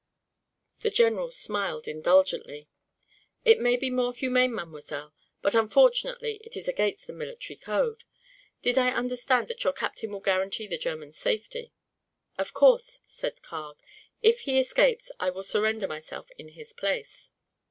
The general smiled indulgently. "It might be more humane, mademoiselle, but unfortunately it is against the military code. Did I understand that your captain will guarantee the German's safety?" "Of course," said Carg. "If he escapes, I will surrender myself in his place."